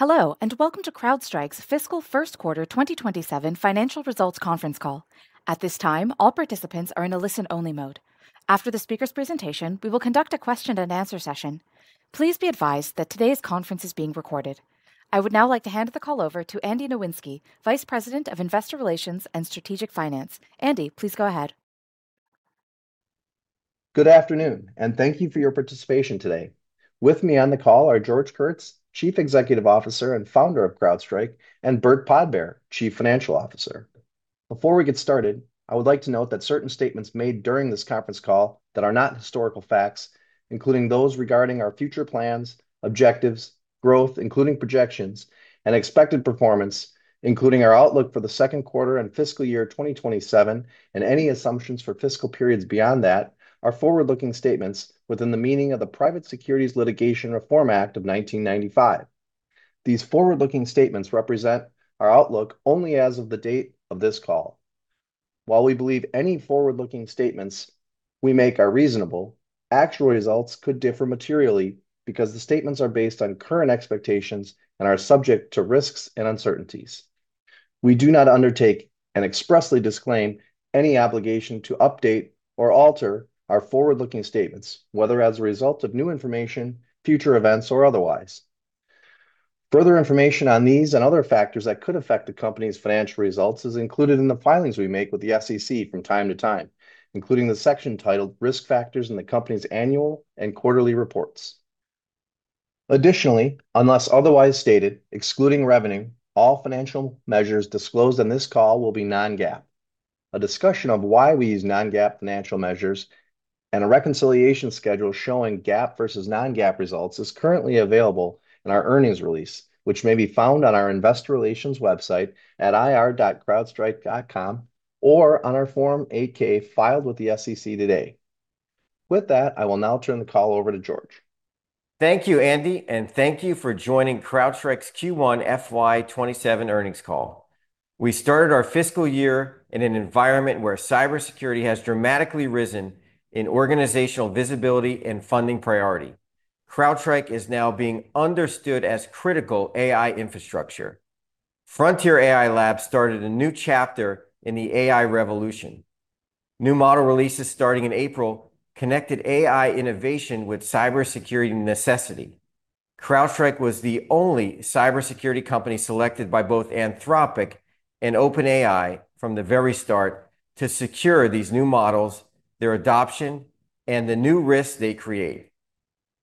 Hello, and welcome to CrowdStrike's Fiscal First Quarter 2027 Financial Results Conference Call. At this time, all participants are in a listen-only mode. After the speaker's presentation, we will conduct a question and answer session. Please be advised that today's conference is being recorded. I would now like to hand the call over to Andy Nowinski, Vice President of Investor Relations and Strategic Finance. Andy, please go ahead. Good afternoon, and thank you for your participation today. With me on the call are George Kurtz, Chief Executive Officer and founder of CrowdStrike, and Burt Podbere, Chief Financial Officer. Before we get started, I would like to note that certain statements made during this conference call that are not historical facts, including those regarding our future plans, objectives, growth, including projections, and expected performance, including our outlook for the second quarter and fiscal year 2027, and any assumptions for fiscal periods beyond that, are forward-looking statements within the meaning of the Private Securities Litigation Reform Act of 1995. These forward-looking statements represent our outlook only as of the date of this call. While we believe any forward-looking statements we make are reasonable, actual results could differ materially because the statements are based on current expectations and are subject to risks and uncertainties. We do not undertake and expressly disclaim any obligation to update or alter our forward-looking statements, whether as a result of new information, future events, or otherwise. Further information on these and other factors that could affect the company's financial results is included in the filings we make with the SEC from time to time, including the section titled Risk Factors in the company's annual and quarterly reports. Additionally, unless otherwise stated, excluding revenue, all financial measures disclosed on this call will be non-GAAP. A discussion of why we use non-GAAP financial measures and a reconciliation schedule showing GAAP versus non-GAAP results is currently available in our earnings release, which may be found on our investor relations website at ir.crowdstrike.com or on our Form 8-K filed with the SEC today. With that, I will now turn the call over to George. Thank you, Andy, and thank you for joining CrowdStrike's Q1 FY 2027 earnings call. We started our fiscal year in an environment where cybersecurity has dramatically risen in organizational visibility and funding priority. CrowdStrike is now being understood as critical AI infrastructure. Frontier AI Lab started a new chapter in the AI revolution. New model releases starting in April connected AI innovation with cybersecurity necessity. CrowdStrike was the only cybersecurity company selected by both Anthropic and OpenAI from the very start to secure these new models, their adoption, and the new risks they create.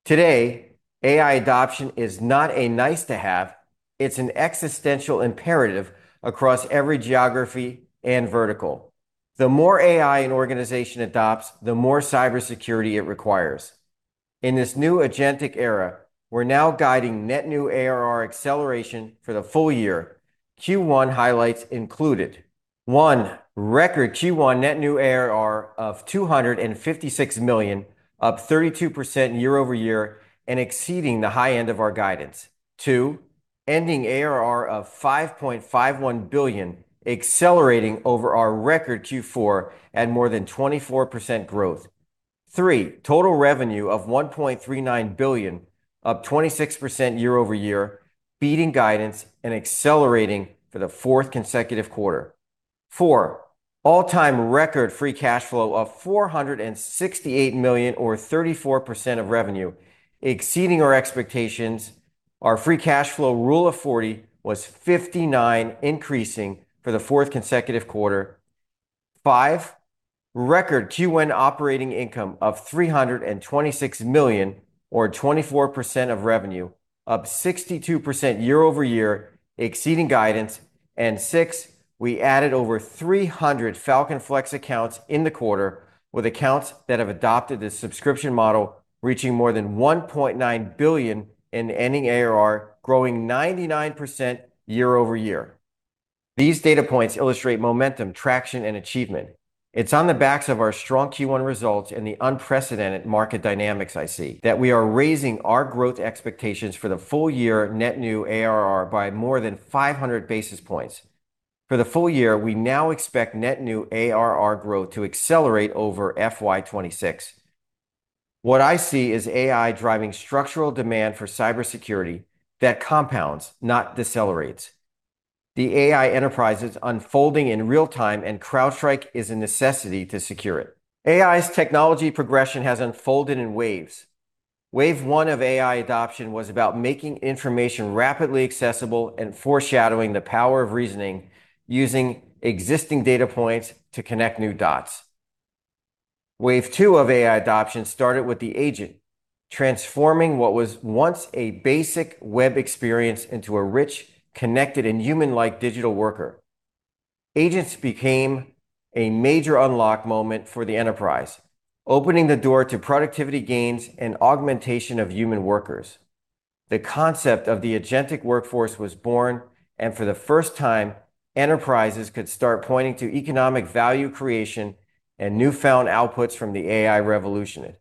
Today, AI adoption is not a nice-to-have, it's an existential imperative across every geography and vertical. The more AI an organization adopts, the more cybersecurity it requires. In this new agentic era, we're now guiding net new ARR acceleration for the full year. Q1 highlights included, one, record Q1 net new ARR of $256 million, up 32% year-over-year, and exceeding the high end of our guidance. Two, ending ARR of $5.51 billion, accelerating over our record Q4 at more than 24% growth. Three, total revenue of $1.39 billion, up 26% year-over-year, beating guidance and accelerating for the fourth consecutive quarter. Four, all-time record free cash flow of $468 million or 34% of revenue, exceeding our expectations. Our free cash flow Rule of 40 was 59, increasing for the fourth consecutive quarter. Five, record Q1 operating income of $326 million or 24% of revenue, up 62% year-over-year, exceeding guidance. Six, we added over 300 Falcon Flex accounts in the quarter, with accounts that have adopted this subscription model reaching more than $1.9 billion in ending ARR, growing 99% year-over-year. These data points illustrate momentum, traction, and achievement. It's on the backs of our strong Q1 results and the unprecedented market dynamics I see that we are raising our growth expectations for the full year net new ARR by more than 500 basis points. For the full year, we now expect net new ARR growth to accelerate over FY 2026. What I see is AI driving structural demand for cybersecurity that compounds, not decelerates. The AI enterprise is unfolding in real-time, and CrowdStrike is a necessity to secure it. AI's technology progression has unfolded in waves. Wave one of AI adoption was about making information rapidly accessible and foreshadowing the power of reasoning using existing data points to connect new dots. Wave two of AI adoption started with the agent, transforming what was once a basic web experience into a rich, connected, and human-like digital worker. Agents became a major unlock moment for the enterprise, opening the door to productivity gains and augmentation of human workers. The concept of the agentic workforce was born. For the first time, enterprises could start pointing to economic value creation and newfound outputs from the AI revolution.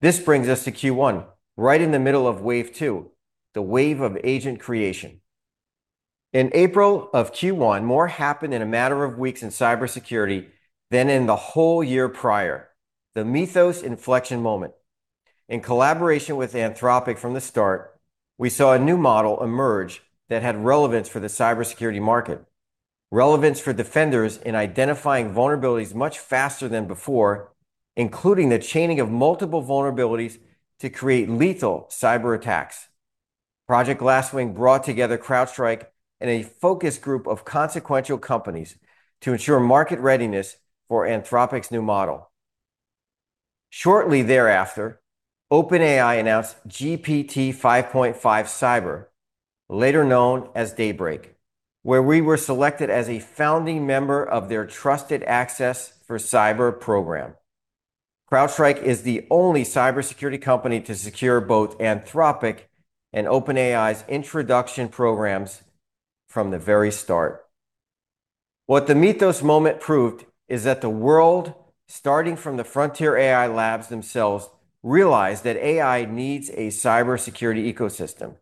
This brings us to Q1, right in the middle of Wave 2, the wave of agent creation. In April of Q1, more happened in a matter of weeks in cybersecurity than in the whole year prior, the Mythos inflection moment. Collaboration with Anthropic from the start, we saw a new model emerge that had relevance for the cybersecurity market, relevance for defenders in identifying vulnerabilities much faster than before, including the chaining of multiple vulnerabilities to create lethal cyber attacks. Project Glasswing brought together CrowdStrike and a focus group of consequential companies to ensure market readiness for Anthropic's new model. Shortly thereafter, OpenAI announced GPT 5.5 Cyber, later known as Daybreak, where we were selected as a founding member of their Trusted Access for Cyber program. CrowdStrike is the only cybersecurity company to secure both Anthropic and OpenAI's introduction programs from the very start. What the Mythos moment proved is that the world, starting from the frontier AI labs themselves, realized that AI needs a cybersecurity ecosystem.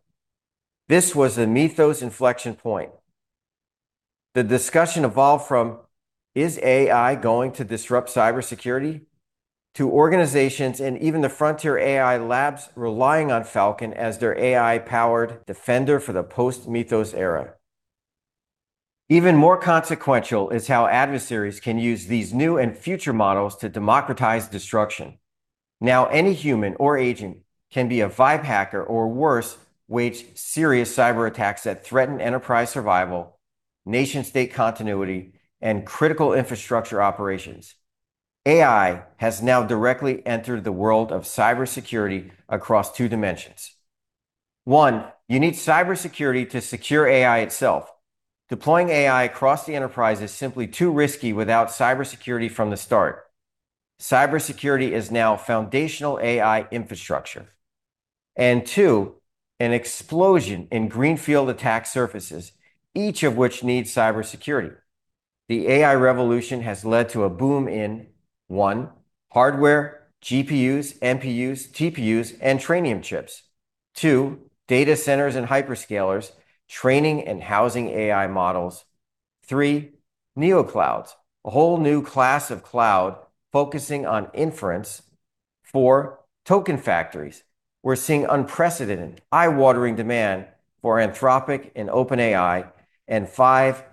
This was a Mythos inflection point. The discussion evolved from is AI going to disrupt cybersecurity to organizations and even the frontier AI labs relying on Falcon as their AI-powered defender for the post-Mythos era. Even more consequential is how adversaries can use these new and future models to democratize destruction. Now, any human or agent can be a vibe hacker or worse, wage serious cyber attacks that threaten enterprise survival, nation-state continuity, and critical infrastructure operations. AI has now directly entered the world of cybersecurity across two dimensions. One, you need cybersecurity to secure AI itself. Deploying AI across the enterprise is simply too risky without cybersecurity from the start. Cybersecurity is now foundational AI infrastructure. Two, an explosion in greenfield attack surfaces, each of which needs cybersecurity. The AI revolution has led to a boom in, one, hardware, GPUs, MPUs, TPUs, and Trainium chips. Two, data centers and hyperscalers, training and housing AI models. Three, Neoclouds, a whole new class of cloud focusing on inference. Four, token factories. We're seeing unprecedented, eye-watering demand for Anthropic and OpenAI. Five,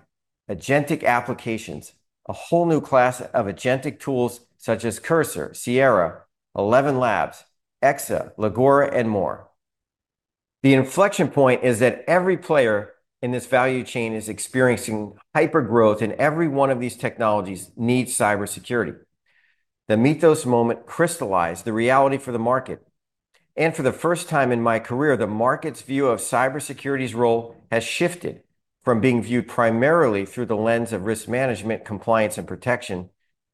agentic applications, a whole new class of agentic tools such as Cursor, Sierra, ElevenLabs, Exa, Legora, and more. The inflection point is that every player in this value chain is experiencing hypergrowth, and every one of these technologies needs cybersecurity. The Mythos moment crystallized the reality for the market. For the first time in my career, the market's view of cybersecurity's role has shifted from being viewed primarily through the lens of risk management, compliance, and protection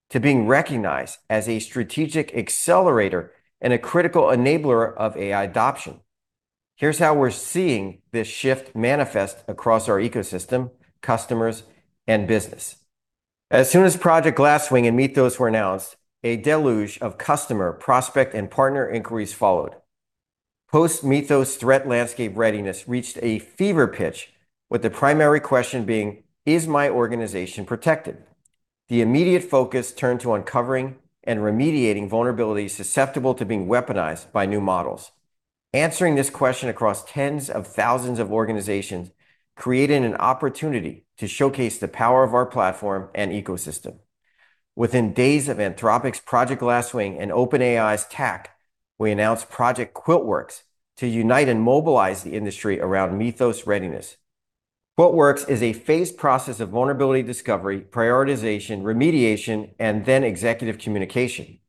to being recognized as a strategic accelerator and a critical enabler of AI adoption. Here's how we're seeing this shift manifest across our ecosystem, customers, and business. As soon as Project Glasswing and Mythos were announced, a deluge of customer, prospect, and partner inquiries followed. Post-Mythos threat landscape readiness reached a fever pitch, with the primary question being, is my organization protected? The immediate focus turned to uncovering and remediating vulnerabilities susceptible to being weaponized by new models. Answering this question across tens of thousands of organizations created an opportunity to showcase the power of our platform and ecosystem. Within days of Anthropic's Project Glasswing and OpenAI's TAC, we announced Project QuiltWorks to unite and mobilize the industry around Mythos readiness. QuiltWorks is a phased process of vulnerability discovery, prioritization, remediation, and then executive communication.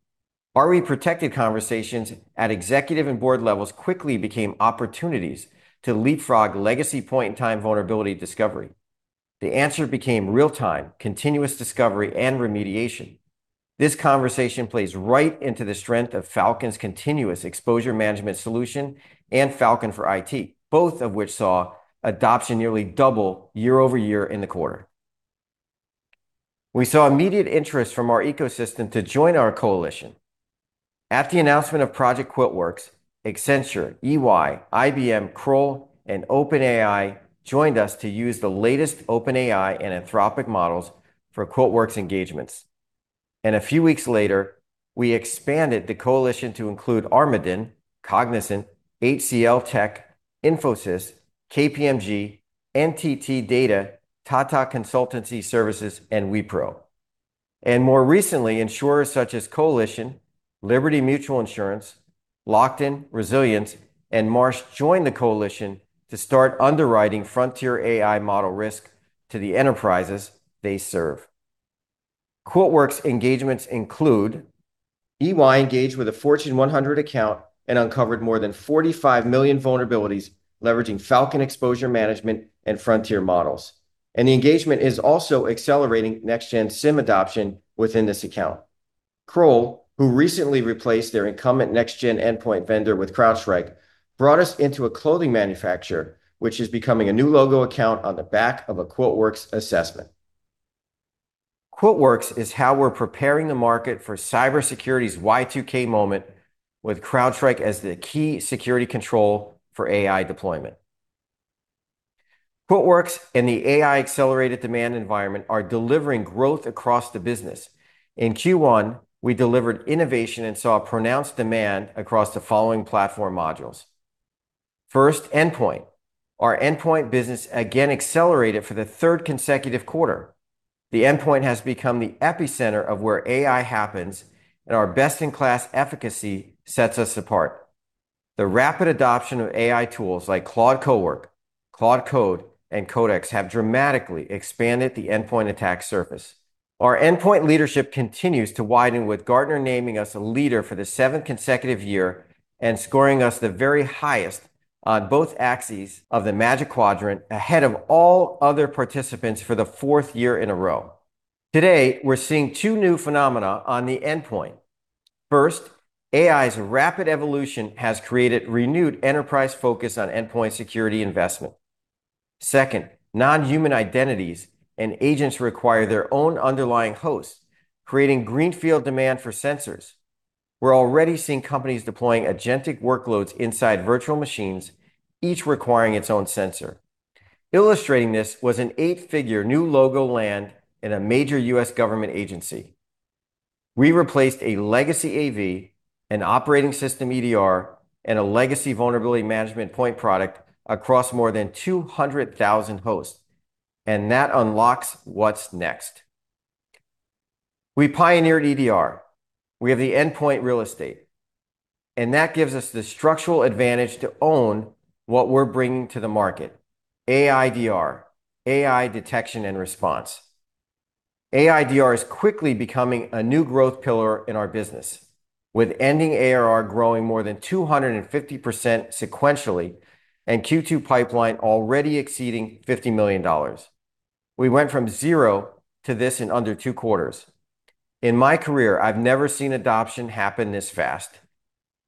Are we protected conversations at executive and board levels quickly became opportunities to leapfrog legacy point-in-time vulnerability discovery. The answer became real-time, continuous discovery, and remediation. This conversation plays right into the strength of Falcon's continuous exposure management solution and Falcon for IT, both of which saw adoption nearly double year-over-year in the quarter. We saw immediate interest from our ecosystem to join our coalition. After the announcement of Project QuiltWorks, Accenture, EY, IBM, Kroll, and OpenAI joined us to use the latest OpenAI and Anthropic models for QuiltWorks engagements. A few weeks later, we expanded the coalition to include Armadin, Cognizant, HCLTech, Infosys, KPMG, NTT Data, Tata Consultancy Services, and Wipro. More recently, insurers such as Coalition, Liberty Mutual Insurance, Lockton, Resilience, and Marsh joined the coalition to start underwriting frontier AI model risk to the enterprises they serve. QuiltWorks engagements include EY engaged with a Fortune 100 account and uncovered more than 45 million vulnerabilities leveraging Falcon Exposure Management and Frontier Models. The engagement is also accelerating Next-Gen SIEM adoption within this account. Kroll, who recently replaced their incumbent Next-Gen endpoint vendor with CrowdStrike, brought us into a clothing manufacturer, which is becoming a new logo account on the back of a QuiltWorks assessment. QuiltWorks is how we're preparing the market for cybersecurity's Y2K moment with CrowdStrike as the key security control for AI deployment. QuiltWorks and the AI-accelerated demand environment are delivering growth across the business. In Q1, we delivered innovation and saw pronounced demand across the following platform modules. First, endpoint. Our endpoint business again accelerated for the third consecutive quarter. The endpoint has become the epicenter of where AI happens, and our best-in-class efficacy sets us apart. The rapid adoption of AI tools like Claude Cowork, Claude Code, and Codex have dramatically expanded the endpoint attack surface. Our endpoint leadership continues to widen, with Gartner naming us a leader for the seventh consecutive year and scoring us the very highest on both axes of the Magic Quadrant, ahead of all other participants for the fourth year in a row. Today, we're seeing two new phenomena on the endpoint. First, AI's rapid evolution has created renewed enterprise focus on endpoint security investment. Second, non-human identities and agents require their own underlying host, creating greenfield demand for sensors. We're already seeing companies deploying agentic workloads inside virtual machines, each requiring its own sensor. Illustrating this was an eight-figure new logo land in a major U.S. government agency. We replaced a legacy AV, an operating system EDR, and a legacy vulnerability management point product across more than 200,000 hosts. That unlocks what's next. We pioneered EDR. We have the endpoint real estate. That gives us the structural advantage to own what we're bringing to the market, AI DR, AI detection and response. AI DR is quickly becoming a new growth pillar in our business, with ending ARR growing more than 250% sequentially and Q2 pipeline already exceeding $50 million. We went from zero to this in under two quarters. In my career, I've never seen adoption happen this fast.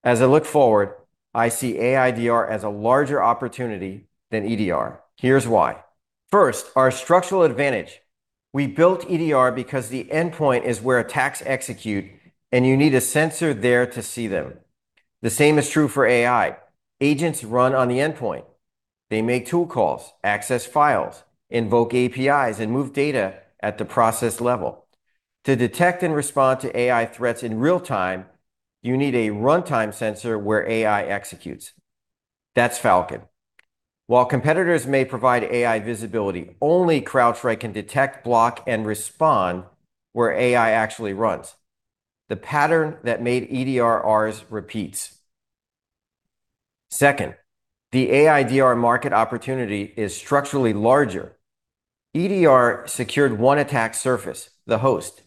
As I look forward, I see AI DR as a larger opportunity than EDR. Here's why. First, our structural advantage. We built EDR because the endpoint is where attacks execute, and you need a sensor there to see them. The same is true for AI. Agents run on the endpoint. They make tool calls, access files, invoke APIs, and move data at the process level. To detect and respond to AI threats in real-time, you need a runtime sensor where AI executes. That's Falcon. While competitors may provide AI visibility, only CrowdStrike can detect, block, and respond where AI actually runs. The pattern that made EDR ours repeats. Second, the AI DR market opportunity is structurally larger. EDR secured one attack surface, the host.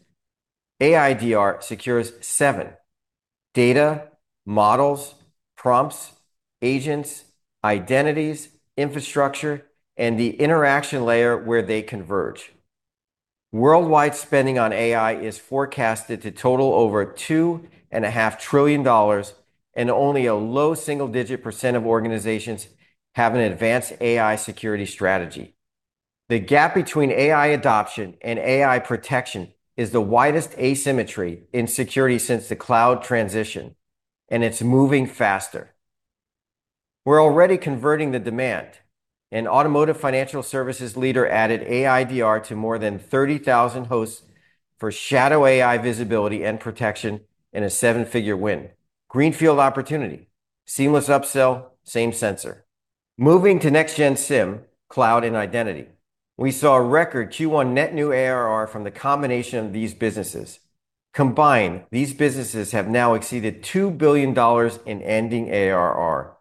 AI DR secures seven: data, models, prompts, agents, identities, infrastructure, and the interaction layer where they converge. Worldwide spending on AI is forecasted to total over $2.5 trillion, only a low single-digit % of organizations have an advanced AI security strategy. The gap between AI adoption and AI protection is the widest asymmetry in security since the cloud transition, and it's moving faster. We're already converting the demand. An automotive financial services leader added AI DR to more than 30,000 hosts for shadow AI visibility and protection in a seven-figure win. Greenfield opportunity, seamless upsell, same sensor. Moving to Next-Gen SIEM, Cloud, and Identity. We saw a record Q1 net new ARR from the combination of these businesses. Combined, these businesses have now exceeded $2 billion in ending ARR.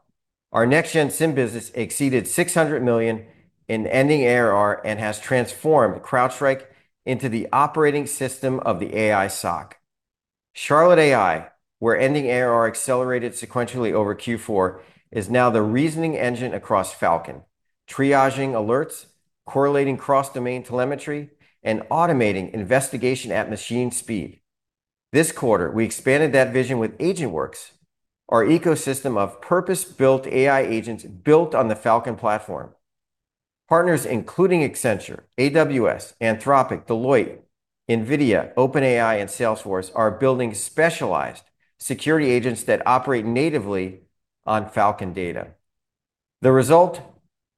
Our Next-Gen SIEM business exceeded $600 million in ending ARR and has transformed CrowdStrike into the operating system of the AI SOC. Charlotte AI, where ending ARR accelerated sequentially over Q4, is now the reasoning engine across Falcon, triaging alerts, correlating cross-domain telemetry, and automating investigation at machine speed. This quarter, we expanded that vision with AgentWorks, our ecosystem of purpose-built AI agents built on the Falcon platform. Partners including Accenture, AWS, Anthropic, Deloitte, NVIDIA, OpenAI, and Salesforce are building specialized security agents that operate natively on Falcon data. The result,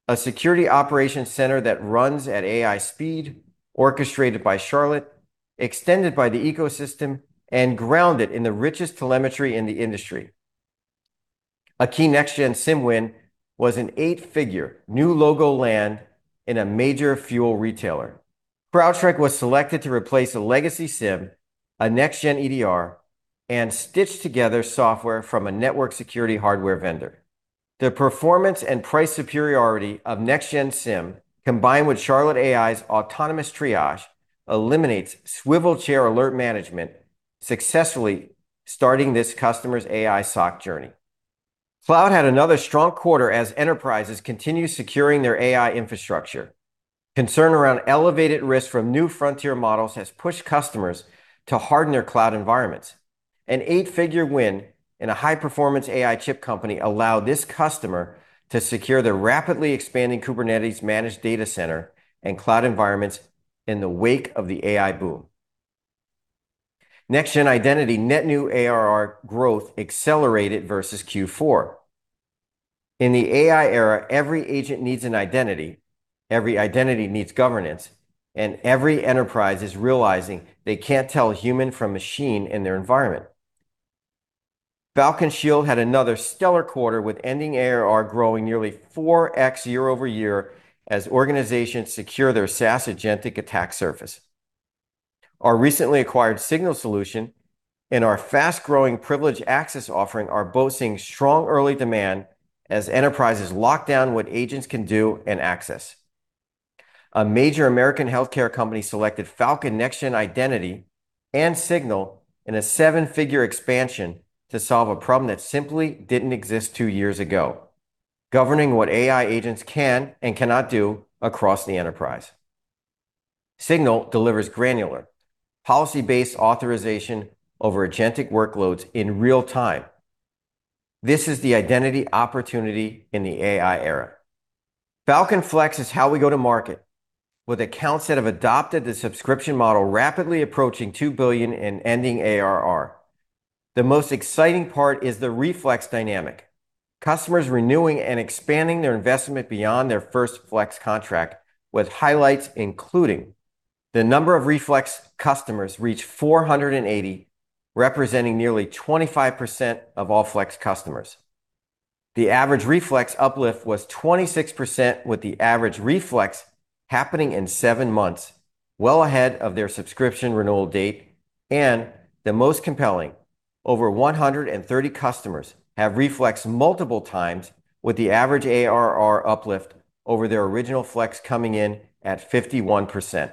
a security operations center that runs at AI speed, orchestrated by Charlotte, extended by the ecosystem, and grounded in the richest telemetry in the industry. A key Next-Gen SIEM win was an eight-figure new logo land in a major fuel retailer. CrowdStrike was selected to replace a Legacy SIEM, a Next-Gen EDR, and stitched together software from a network security hardware vendor. The performance and price superiority of Next-Gen SIEM, combined with Charlotte AI's autonomous triage, eliminates swivel chair alert management, successfully starting this customer's AI SOC journey. Cloud had another strong quarter as enterprises continue securing their AI infrastructure. Concern around elevated risk from new frontier models has pushed customers to harden their cloud environments. An 8-figure win in a high-performance AI chip company allowed this customer to secure their rapidly expanding Kubernetes-managed data center and cloud environments in the wake of the AI boom. Next-Gen Identity net new ARR growth accelerated versus Q4. In the AI era, every agent needs an identity, every identity needs governance, and every enterprise is realizing they can't tell human from machine in their environment. Falcon Shield had another stellar quarter with ending ARR growing nearly 4x year-over-year as organizations secure their SaaS agentic attack surface. Our recently acquired SGNL solution and our fast-growing privileged access offering are both seeing strong early demand as enterprises lock down what agents can do and access. A major American healthcare company selected Falcon Next-Gen Identity and SGNL in a seven-figure expansion to solve a problem that simply didn't exist two years ago, governing what AI agents can and cannot do across the enterprise. SGNL delivers granular, policy-based authorization over agentic workloads in real time. This is the identity opportunity in the AI era. Falcon Flex is how we go to market, with accounts that have adopted the subscription model rapidly approaching $2 billion in ending ARR. The most exciting part is the Re-Flex dynamic. Customers renewing and expanding their investment beyond their first Flex contract, with highlights including the number of Re-Flex customers reached 480, representing nearly 25% of all Flex customers. The average re-Flex uplift was 26%, with the average re-Flex happening in seven months, well ahead of their subscription renewal date. The most compelling, over 130 customers have re-Flex multiple times, with the average ARR uplift over their original Flex coming in at 51%.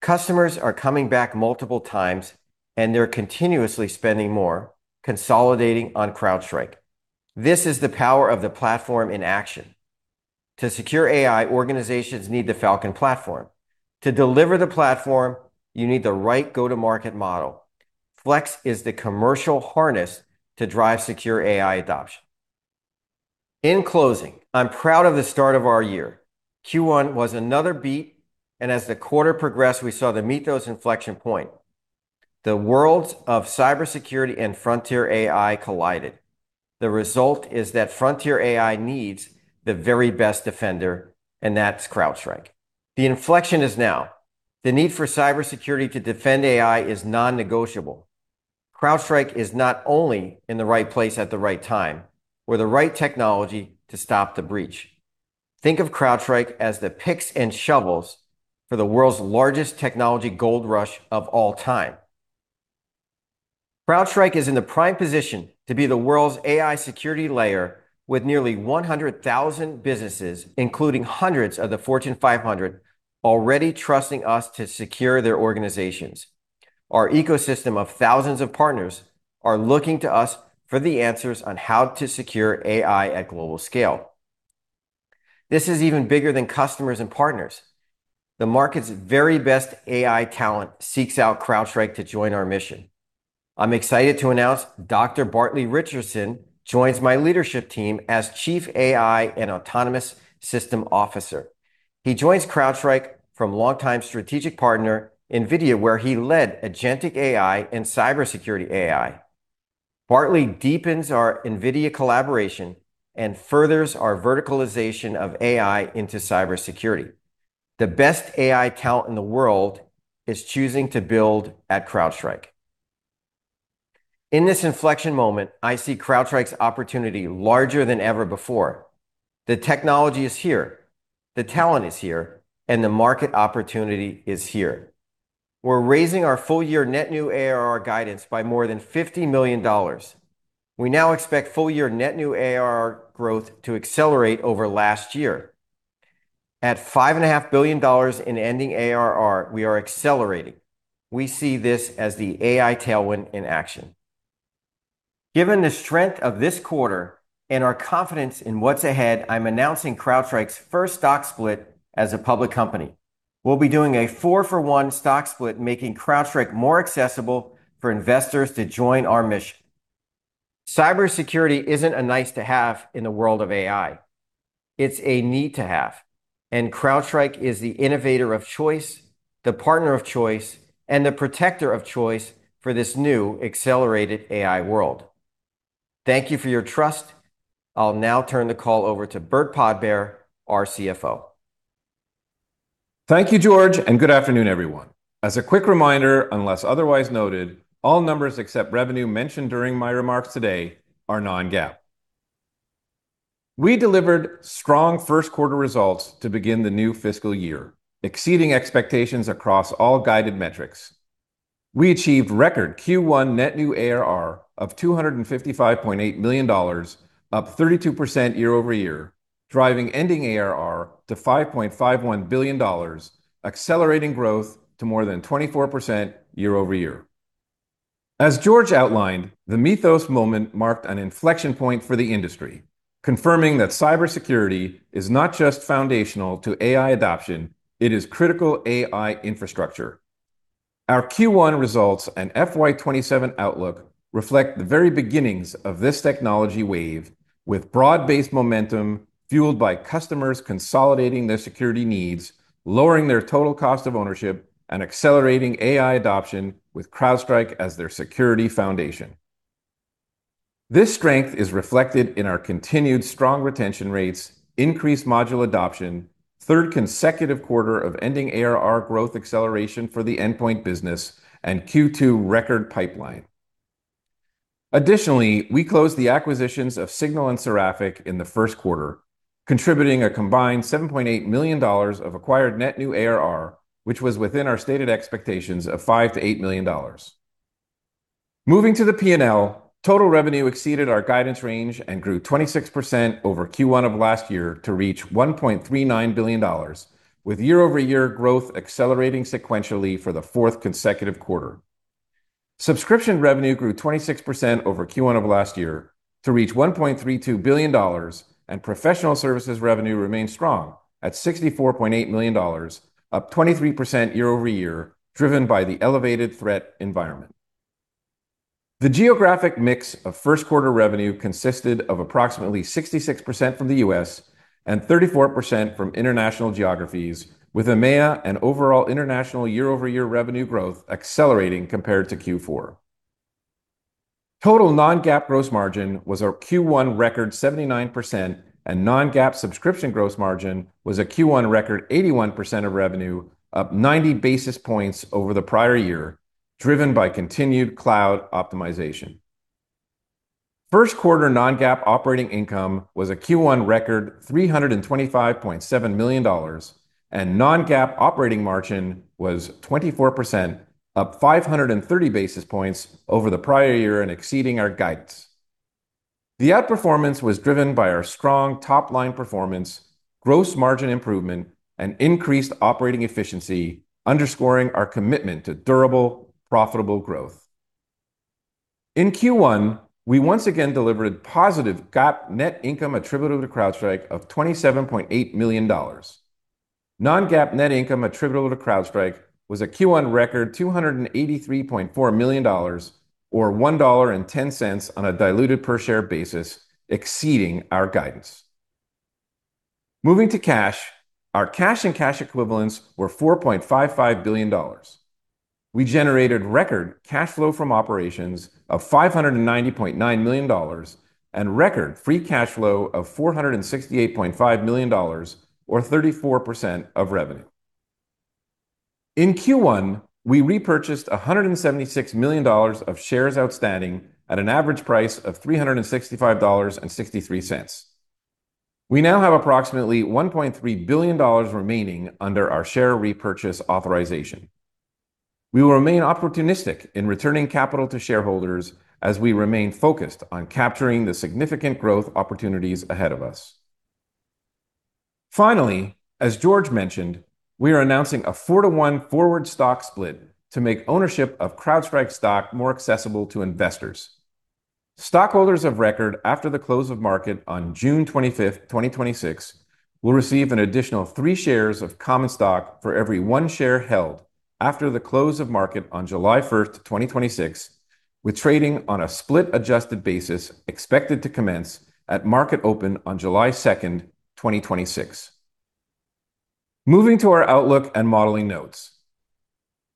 Customers are coming back multiple times, and they're continuously spending more, consolidating on CrowdStrike. This is the power of the platform in action. To secure AI, organizations need the Falcon platform. To deliver the platform, you need the right go-to-market model. Flex is the commercial harness to drive secure AI adoption. In closing, I'm proud of the start of our year. Q1 was another beat, and as the quarter progressed, we saw the Mythos inflection point. The world of cybersecurity and frontier AI collided. The result is that frontier AI needs the very best defender, and that's CrowdStrike. The inflection is now. The need for cybersecurity to defend AI is non-negotiable. CrowdStrike is not only in the right place at the right time with the right technology to stop the breach. Think of CrowdStrike as the picks and shovels for the world's largest technology gold rush of all time. CrowdStrike is in the prime position to be the world's AI security layer with nearly 100,000 businesses, including hundreds of the Fortune 500, already trusting us to secure their organizations. Our ecosystem of thousands of partners are looking to us for the answers on how to secure AI at global scale. This is even bigger than customers and partners. The market's very best AI talent seeks out CrowdStrike to join our mission. I'm excited to announce Dr. Bartley Richardson joins my leadership team as Chief AI and Autonomous System Officer. He joins CrowdStrike from longtime strategic partner NVIDIA, where he led agentic AI and cybersecurity AI. Bartley deepens our NVIDIA collaboration and furthers our verticalization of AI into cybersecurity. The best AI talent in the world is choosing to build at CrowdStrike. In this inflection moment, I see CrowdStrike's opportunity larger than ever before. The technology is here, the talent is here, and the market opportunity is here. We're raising our full-year net new ARR guidance by more than $50 million. We now expect full-year net new ARR growth to accelerate over last year. At $5.5 billion in ending ARR, we are accelerating. We see this as the AI tailwind in action. Given the strength of this quarter and our confidence in what's ahead, I'm announcing CrowdStrike's first stock split as a public company. We'll be doing a four-for-one stock split, making CrowdStrike more accessible for investors to join our mission. Cybersecurity isn't a nice-to-have in the world of AI. It's a need-to-have, CrowdStrike is the innovator of choice, the partner of choice, and the protector of choice for this new accelerated AI world. Thank you for your trust. I'll now turn the call over to Burt Podbere, our CFO. Thank you, George. Good afternoon, everyone. As a quick reminder, unless otherwise noted, all numbers except revenue mentioned during my remarks today are non-GAAP. We delivered strong first quarter results to begin the new fiscal year, exceeding expectations across all guided metrics. We achieved record Q1 net new ARR of $255.8 million, up 32% year-over-year, driving ending ARR to $5.51 billion, accelerating growth to more than 24% year-over-year. As George outlined, the Mythos moment marked an inflection point for the industry. Confirming that cybersecurity is not just foundational to AI adoption, it is critical AI infrastructure. Our Q1 results and FY 2027 outlook reflect the very beginnings of this technology wave, with broad-based momentum fueled by customers consolidating their security needs, lowering their total cost of ownership, and accelerating AI adoption with CrowdStrike as their security foundation. This strength is reflected in our continued strong retention rates, increased module adoption, third consecutive quarter of ending ARR growth acceleration for the endpoint business, and Q2 record pipeline. Additionally, we closed the acquisitions of SGNL and Seraphic in the first quarter, contributing a combined $7.8 million of acquired net new ARR, which was within our stated expectations of $5 million-$8 million. Moving to the P&L, total revenue exceeded our guidance range and grew 26% over Q1 of last year to reach $1.39 billion, with year-over-year growth accelerating sequentially for the fourth consecutive quarter. Professional services revenue remained strong at $64.8 million, up 23% year-over-year, driven by the elevated threat environment. The geographic mix of first quarter revenue consisted of approximately 66% from the U.S. and 34% from international geographies, with EMEA and overall international year-over-year revenue growth accelerating compared to Q4. Total non-GAAP gross margin was our Q1 record 79%, and non-GAAP subscription gross margin was a Q1 record 81% of revenue, up 90 basis points over the prior year, driven by continued cloud optimization. First quarter non-GAAP operating income was a Q1 record $325.7 million, and non-GAAP operating margin was 24%, up 530 basis points over the prior year and exceeding our guidance. The outperformance was driven by our strong top-line performance, gross margin improvement, and increased operating efficiency, underscoring our commitment to durable, profitable growth. In Q1, we once again delivered positive GAAP net income attributable to CrowdStrike of $27.8 million. Non-GAAP net income attributable to CrowdStrike was a Q1 record $283.4 million, or $1.10 on a diluted per share basis, exceeding our guidance. Moving to cash, our cash and cash equivalents were $4.55 billion. We generated record cash flow from operations of $590.9 million and record free cash flow of $468.5 million, or 34% of revenue. In Q1, we repurchased $176 million of shares outstanding at an average price of $365.63. We now have approximately $1.3 billion remaining under our share repurchase authorization. We will remain opportunistic in returning capital to shareholders as we remain focused on capturing the significant growth opportunities ahead of us. Finally, as George mentioned, we are announcing a four-to-one forward stock split to make ownership of CrowdStrike stock more accessible to investors. Stockholders of record after the close of market on June 25th, 2026, will receive an additional three shares of common stock for every one share held after the close of market on July 1st, 2026, with trading on a split adjusted basis expected to commence at market open on July 2nd, 2026. Moving to our outlook and modeling notes.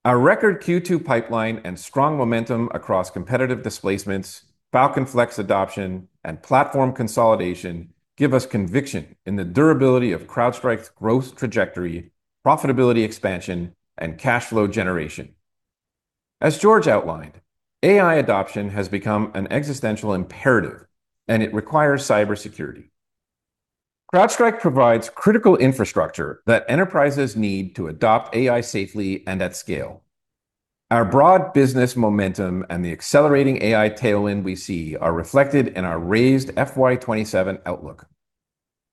Our record Q2 pipeline and strong momentum across competitive displacements, Falcon Flex adoption, and platform consolidation give us conviction in the durability of CrowdStrike's growth trajectory, profitability expansion, and cash flow generation. As George outlined, AI adoption has become an existential imperative, and it requires cybersecurity. CrowdStrike provides critical infrastructure that enterprises need to adopt AI safely and at scale. Our broad business momentum and the accelerating AI tailwind we see are reflected in our raised FY 2027 outlook.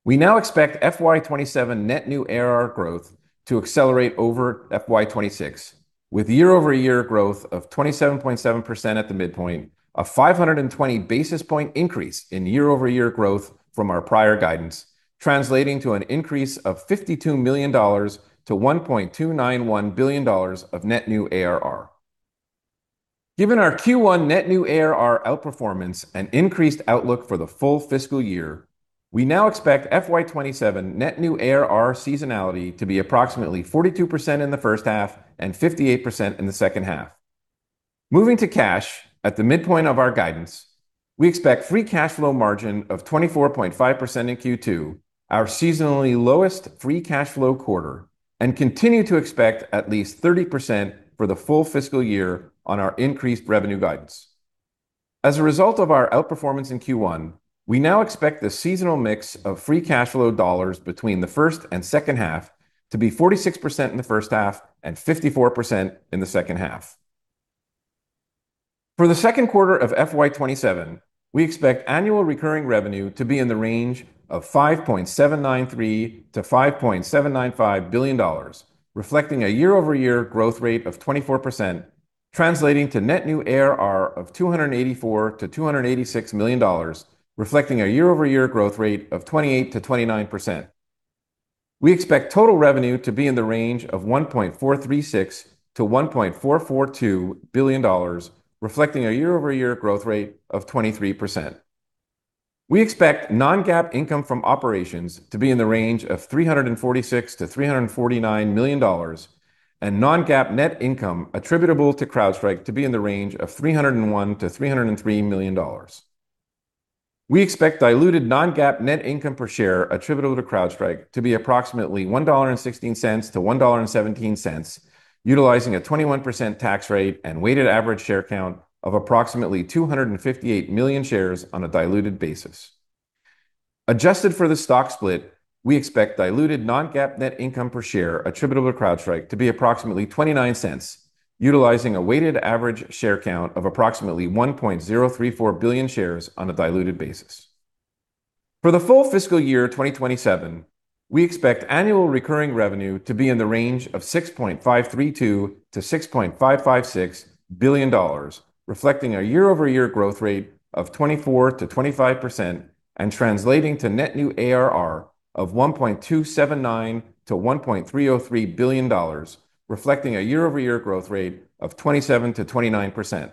We now expect FY 2027 net new ARR growth to accelerate over FY 2026, with year-over-year growth of 27.7% at the midpoint, a 520 basis point increase in year-over-year growth from our prior guidance, translating to an increase of $52 million to $1.291 billion of net new ARR. Given our Q1 net new ARR outperformance and increased outlook for the full fiscal year, we now expect FY 2027 net new ARR seasonality to be approximately 42% in the first half and 58% in the second half. Moving to cash at the midpoint of our guidance, we expect free cash flow margin of 24.5% in Q2, our seasonally lowest free cash flow quarter, and continue to expect at least 30% for the full fiscal year on our increased revenue guidance. As a result of our outperformance in Q1, we now expect the seasonal mix of free cash flow dollars between the first and second half to be 46% in the first half and 54% in the second half. For the second quarter of FY 2027, we expect annual recurring revenue to be in the range of $5.793 billion-$5.795 billion, reflecting a year-over-year growth rate of 24%. Translating to net new ARR of $284 million-$286 million, reflecting a year-over-year growth rate of 28%-29%. We expect total revenue to be in the range of $1.436 billion-$1.442 billion, reflecting a year-over-year growth rate of 23%. We expect non-GAAP income from operations to be in the range of $346 million-$349 million, and non-GAAP net income attributable to CrowdStrike to be in the range of $301 million-$303 million. We expect diluted non-GAAP net income per share attributable to CrowdStrike to be approximately $1.16-$1.17, utilizing a 21% tax rate and weighted average share count of approximately 258 million shares on a diluted basis. Adjusted for the stock split, we expect diluted non-GAAP net income per share attributable to CrowdStrike to be approximately $0.29, utilizing a weighted average share count of approximately 1.034 billion shares on a diluted basis. For the full FY 2027, we expect annual recurring revenue to be in the range of $6.532 billion-$6.556 billion, reflecting a year-over-year growth rate of 24%-25% and translating to net new ARR of $1.279 billion-$1.303 billion, reflecting a year-over-year growth rate of 27%-29%.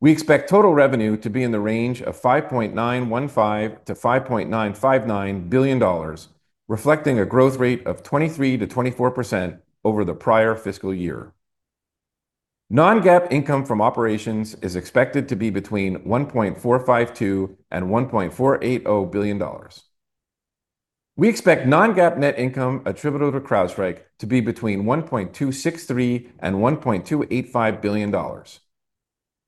We expect total revenue to be in the range of $5.915 billion-$5.959 billion, reflecting a growth rate of 23%-24% over the prior fiscal year. Non-GAAP income from operations is expected to be between $1.452 and $1.480 billion. We expect non-GAAP net income attributable to CrowdStrike to be between $1.263 and $1.285 billion.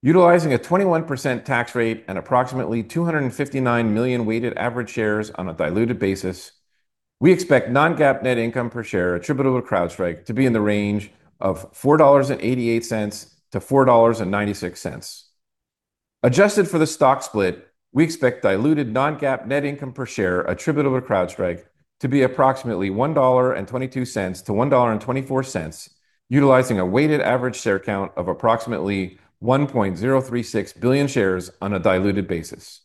Utilizing a 21% tax rate and approximately 259 million weighted average shares on a diluted basis, we expect non-GAAP net income per share attributable to CrowdStrike to be in the range of $4.88-$4.96. Adjusted for the stock split, we expect diluted non-GAAP net income per share attributable to CrowdStrike to be approximately $1.22-$1.24, utilizing a weighted average share count of approximately 1.036 billion shares on a diluted basis.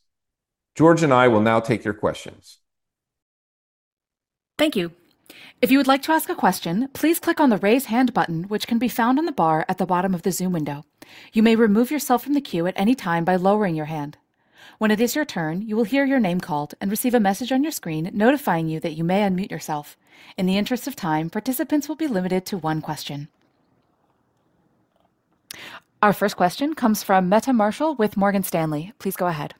George and I will now take your questions. Thank you. If you would like to ask a question, please click on the Raise Hand button, which can be found on the bar at the bottom of the Zoom window. You may remove yourself from the queue at any time by lowering your hand. When it is your turn, you will hear your name called and receive a message on your screen notifying you that you may unmute yourself. In the interest of time, participants will be limited to one question. Our first question comes from Meta Marshall with Morgan Stanley. Please go ahead.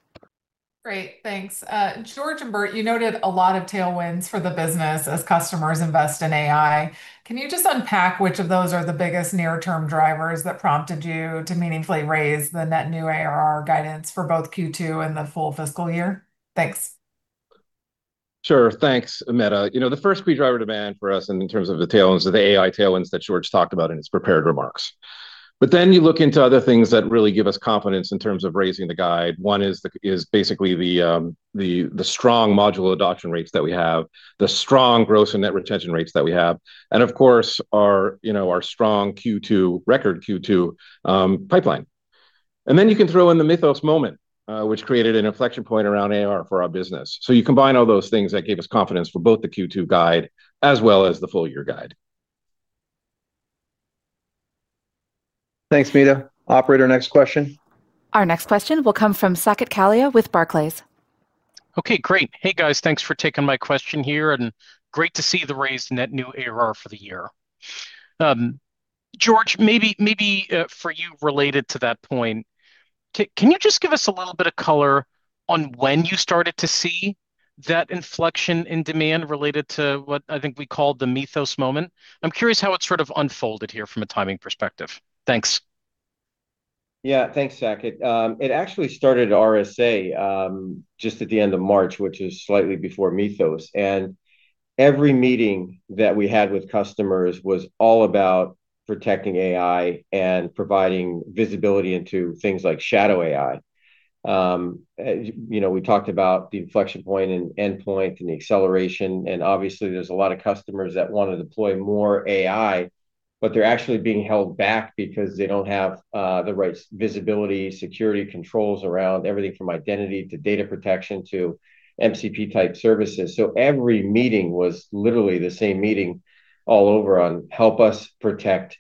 Great, thanks. George and Burt, you noted a lot of tailwinds for the business as customers invest in AI. Can you just unpack which of those are the biggest near-term drivers that prompted you to meaningfully raise the net new ARR guidance for both Q2 and the full fiscal year? Thanks. Sure. Thanks, Meta. The first key driver demand for us in terms of the tailwinds are the AI tailwinds that George talked about in his prepared remarks. You look into other things that really give us confidence in terms of raising the guide. One is basically the strong module adoption rates that we have, the strong gross and net retention rates that we have, and of course our strong Q2, record Q2 pipeline. You can throw in the Mythos moment, which created an inflection point around ARR for our business. You combine all those things that gave us confidence for both the Q2 guide as well as the full year guide. Thanks, Meta. Operator, next question. Our next question will come from Saket Kalia with Barclays. Okay, great. Hey, guys. Thanks for taking my question here, and great to see the raise in net new ARR for the year. George, maybe for you related to that point, can you just give us a little bit of color on when you started to see that inflection in demand related to what I think we called the Mythos moment? I'm curious how it sort of unfolded here from a timing perspective. Thanks. Thanks, Saket. It actually started at RSA, just at the end of March, which is slightly before Mythos. Every meeting that we had with customers was all about protecting AI and providing visibility into things like shadow AI. We talked about the inflection point and endpoint and the acceleration, obviously there's a lot of customers that want to deploy more AI, but they're actually being held back because they don't have the right visibility, security controls around everything from identity to data protection to MCP type services. Every meeting was literally the same meeting all over on help us protect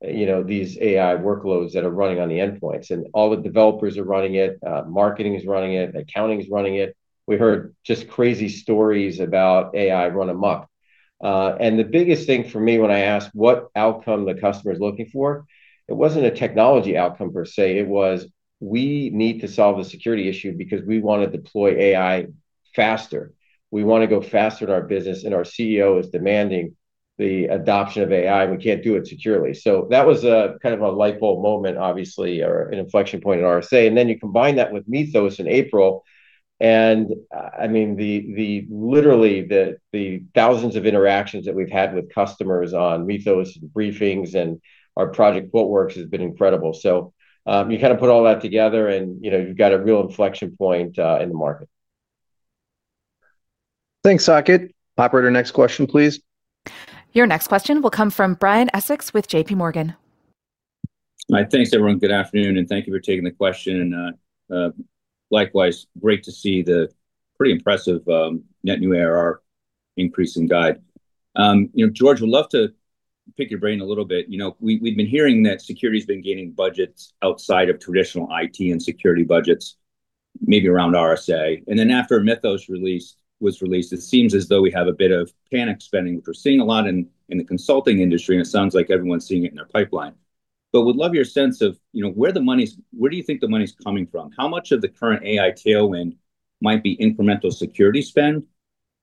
these AI workloads that are running on the endpoints. All the developers are running it, marketing is running it, accounting is running it. We heard just crazy stories about AI run amok. The biggest thing for me when I ask what outcome the customer is looking for, it wasn't a technology outcome per se, it was, we need to solve the security issue because we want to deploy AI faster. We want to go faster in our business and our CEO is demanding the adoption of AI, and we can't do it securely. That was a kind of a light bulb moment, obviously, or an inflection point at RSA. Then you combine that with Mythos in April, I mean, literally the thousands of interactions that we've had with customers on Mythos briefings and our Project QuiltWorks has been incredible. You kind of put all that together and you've got a real inflection point in the market. Thanks, Saket. Operator, next question, please. Your next question will come from Brian Essex with J.P. Morgan. Hi. Thanks, everyone. Good afternoon, and thank you for taking the question. Likewise, great to see the pretty impressive net new ARR increase in guide. George, would love to pick your brain a little bit. We've been hearing that security's been gaining budgets outside of traditional IT and security budgets, maybe around RSA. Then after Mythos was released, it seems as though we have a bit of panic spending, which we're seeing a lot in the consulting industry, and it sounds like everyone's seeing it in their pipeline. Would love your sense of where do you think the money's coming from? How much of the current AI tailwind might be incremental security spend?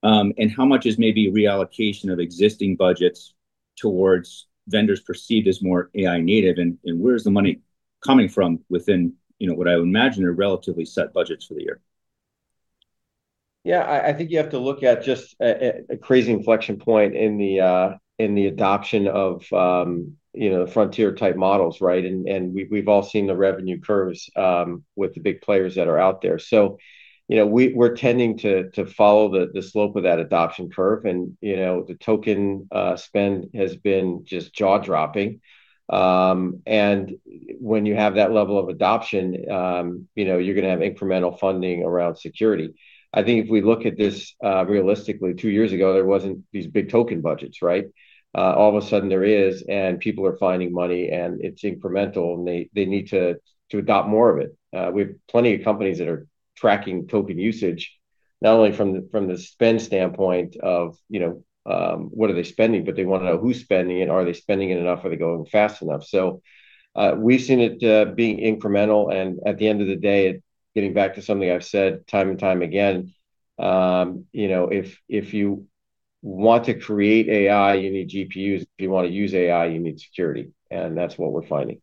How much is maybe reallocation of existing budgets towards vendors perceived as more AI native, and where's the money coming from within, what I would imagine, are relatively set budgets for the year? Yeah, I think you have to look at just a crazy inflection point in the adoption of frontier-type models, right? We've all seen the revenue curves with the big players that are out there. We're tending to follow the slope of that adoption curve. The token spend has been just jaw-dropping. When you have that level of adoption, you're going to have incremental funding around security. I think if we look at this realistically, two years ago, there wasn't these big token budgets, right? All of a sudden there is, and people are finding money, and it's incremental, and they need to adopt more of it. We have plenty of companies that are tracking token usage, not only from the spend standpoint of what are they spending, but they want to know who's spending it. Are they spending it enough? Are they going fast enough? We've seen it being incremental, at the end of the day, getting back to something I've said time and time again, if you want to create AI, you need GPUs. If you want to use AI, you need security, and that's what we're finding.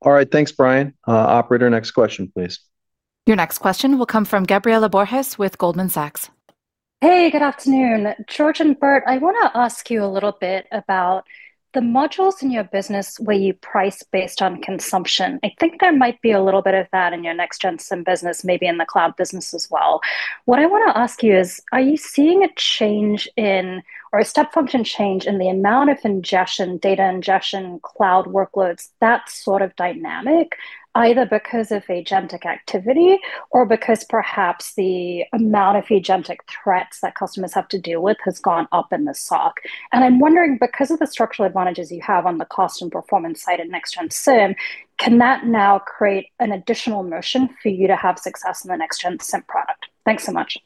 All right. Thanks, Brian. Operator, next question, please. Your next question will come from Gabriela Borges with Goldman Sachs. Hey, good afternoon. George and Burt, I want to ask you a little bit about the modules in your business where you price based on consumption. I think there might be a little bit of that in your Next-Gen SIEM business, maybe in the cloud business as well. What I want to ask you is, are you seeing a change in, or a step function change in the amount of ingestion, data ingestion, cloud workloads, that sort of dynamic, either because of agentic activity or because perhaps the amount of agentic threats that customers have to deal with has gone up in the SOC? I'm wondering, because of the structural advantages you have on the cost and performance side of Next-Gen SIEM, can that now create an additional motion for you to have success in the Next-Gen SIEM product? Thanks so much.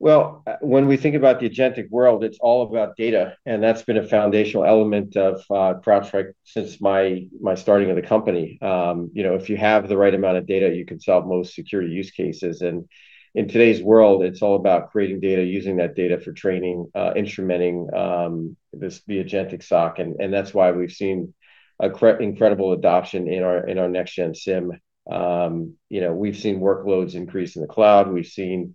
Well, when we think about the agentic world, it's all about data, and that's been a foundational element of CrowdStrike since my starting of the company. If you have the right amount of data, you can solve most security use cases. In today's world, it's all about creating data, using that data for training, instrumenting the agentic SOC, and that's why we've seen incredible adoption in our Next-Gen SIEM. We've seen workloads increase in the cloud. We've seen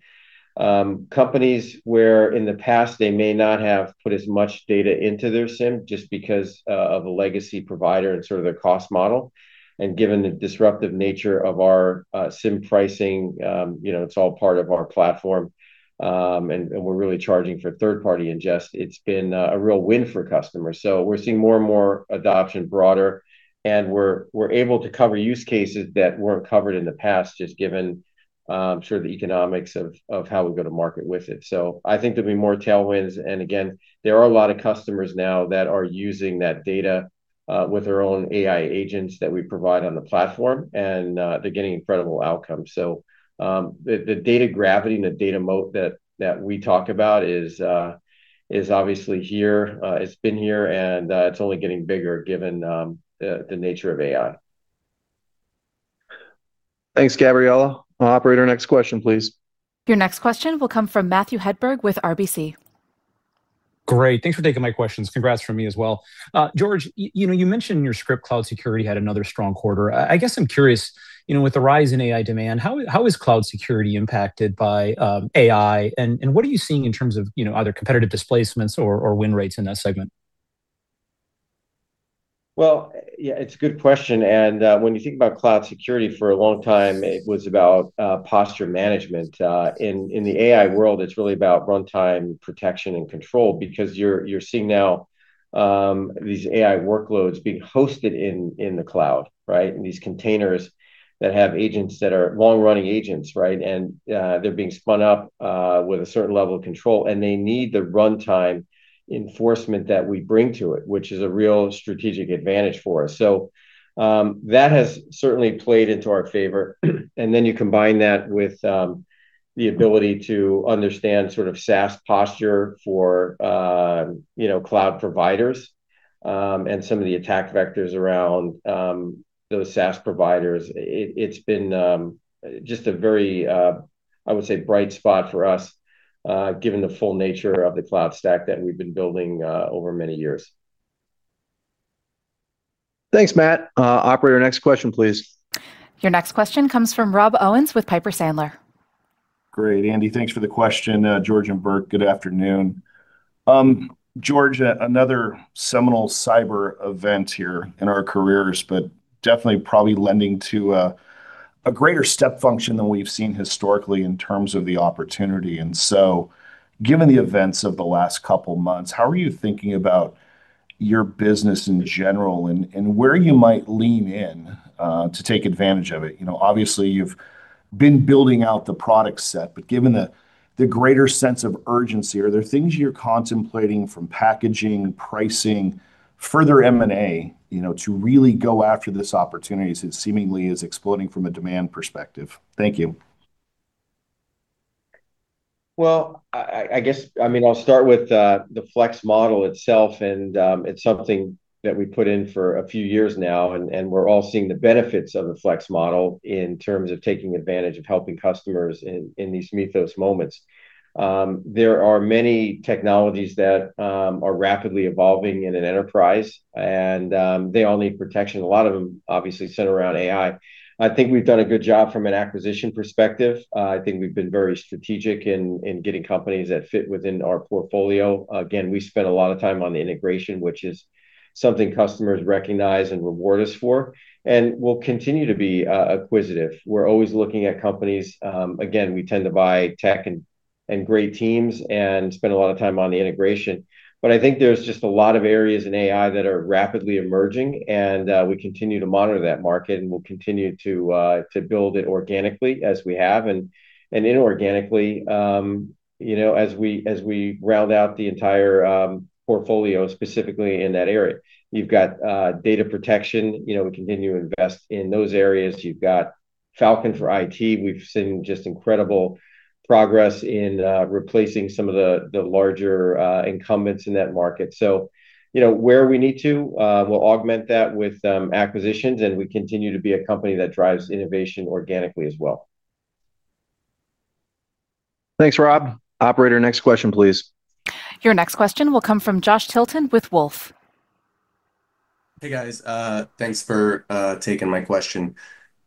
companies where, in the past, they may not have put as much data into their SIEM just because of a legacy provider and their cost model. Given the disruptive nature of our SIEM pricing, it's all part of our platform, and we're really charging for third-party ingest. It's been a real win for customers. We're seeing more and more adoption broader, and we're able to cover use cases that weren't covered in the past, just given the economics of how we go to market with it. I think there'll be more tailwinds. Again, there are a lot of customers now that are using that data with their own AI agents that we provide on the platform, and they're getting incredible outcomes. The data gravity and the data moat that we talk about is obviously here. It's been here, and it's only getting bigger given the nature of AI. Thanks, Gabriela. Operator, next question, please. Your next question will come from Matthew Hedberg with RBC. Great. Thanks for taking my questions. Congrats from me as well. George, you mentioned in your script cloud security had another strong quarter. I guess I'm curious, with the rise in AI demand, how is cloud security impacted by AI, and what are you seeing in terms of either competitive displacements or win rates in that segment? Yeah, it's a good question, and when you think about cloud security, for a long time, it was about posture management. In the AI world, it's really about runtime protection and control because you're seeing now these AI workloads being hosted in the cloud, right? In these containers that have agents that are long-running agents, right? They're being spun up with a certain level of control, and they need the runtime enforcement that we bring to it, which is a real strategic advantage for us. That has certainly played into our favor. You combine that with the ability to understand sort of SaaS posture for cloud providers and some of the attack vectors around those SaaS providers. It's been just a very, I would say, bright spot for us given the full nature of the cloud stack that we've been building over many years. Thanks, Matt. Operator, next question, please. Your next question comes from Rob Owens with Piper Sandler. Great, Andy. Thanks for the question. George and Burt, good afternoon. George, another seminal cyber event here in our careers, definitely probably lending to a greater step function than we've seen historically in terms of the opportunity. Given the events of the last couple of months, how are you thinking about your business in general and where you might lean in to take advantage of it? Obviously, you've been building out the product set, given the greater sense of urgency, are there things you're contemplating from packaging, pricing, further M&A, to really go after this opportunity since seemingly is exploding from a demand perspective? Thank you. Well, I'll start with the Flex model itself, and it's something that we put in for a few years now, and we're all seeing the benefits of the Flex model in terms of taking advantage of helping customers in these Mythos moments. There are many technologies that are rapidly evolving in an enterprise, and they all need protection. A lot of them obviously center around AI. I think we've done a good job from an acquisition perspective. I think we've been very strategic in getting companies that fit within our portfolio. Again, we spend a lot of time on the integration, which is something customers recognize and reward us for. We'll continue to be acquisitive. We're always looking at companies. Again, we tend to buy tech and great teams and spend a lot of time on the integration. I think there's just a lot of areas in AI that are rapidly emerging, and we continue to monitor that market, and we'll continue to build it organically as we have and inorganically as we round out the entire portfolio, specifically in that area. You've got data protection. We continue to invest in those areas. You've got Falcon for IT. We've seen just incredible progress in replacing some of the larger incumbents in that market. Where we need to, we'll augment that with acquisitions, and we continue to be a company that drives innovation organically as well. Thanks, Rob. Operator, next question, please. Your next question will come from Josh Tilton with Wolfe. Hey, guys. Thanks for taking my question.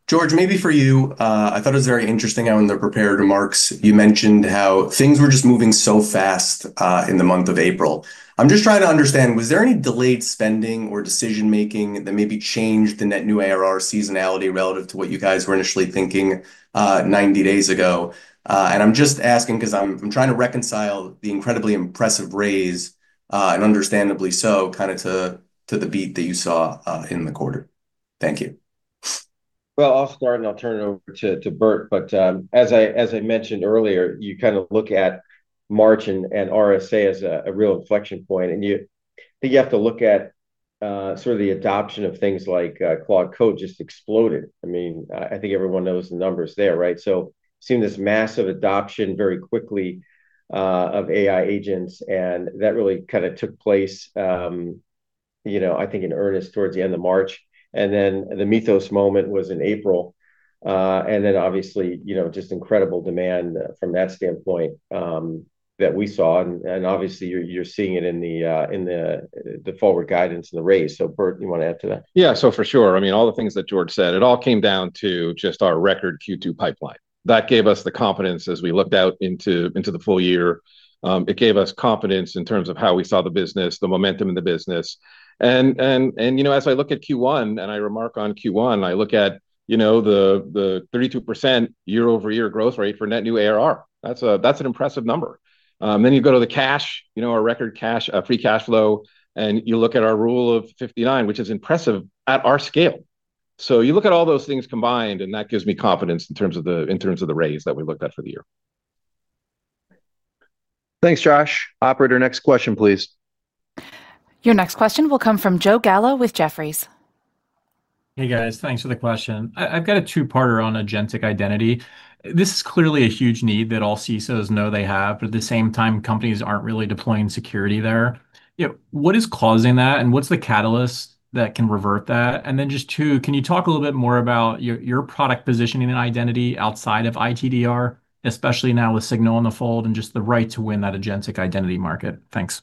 George, maybe for you, I thought it was very interesting how in the prepared remarks you mentioned how things were just moving so fast in the month of April. I'm just trying to understand, was there any delayed spending or decision-making that maybe changed the net new ARR seasonality relative to what you guys were initially thinking 90 days ago? I'm just asking because I'm trying to reconcile the incredibly impressive raise, and understandably so, to the beat that you saw in the quarter. Thank you. Well, I'll start, and I'll turn it over to Burt. As I mentioned earlier, you look at March and RSA as a real inflection point, and you have to look at the adoption of things like Claude Code just exploded. I think everyone knows the numbers there. Seeing this massive adoption very quickly of AI agents, and that really took place, I think in earnest towards the end of March, then the Mythos moment was in April. Then obviously, just incredible demand from that standpoint that we saw, obviously you're seeing it in the forward guidance and the raise. Burt, you want to add to that? For sure, all the things that George said, it all came down to just our record Q2 pipeline. That gave us the confidence as we looked out into the full year. It gave us confidence in terms of how we saw the business, the momentum in the business. As I look at Q1 and I remark on Q1, I look at the 32% year-over-year growth rate for net new ARR. That's an impressive number. You go to the cash, our record cash, free cash flow, and you look at our Rule of 59, which is impressive at our scale. You look at all those things combined, and that gives me confidence in terms of the raise that we looked at for the year. Thanks, Josh. Operator, next question please. Your next question will come from Joseph Gallo with Jefferies. Hey, guys. Thanks for the question. I've got a two-parter on agentic identity. This is clearly a huge need that all CISOs know they have, but at the same time, companies aren't really deploying security there. What is causing that, and what's the catalyst that can revert that? Just two, can you talk a little bit more about your product positioning and identity outside of ITDR, especially now with SGNL in the fold and just the right to win that agentic identity market. Thanks.